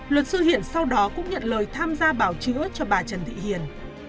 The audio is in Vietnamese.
luật sư hiển sau đó cũng nhận lời tham gia bảo chữa cho bà trần thị hiền